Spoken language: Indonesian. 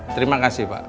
terima kasih pak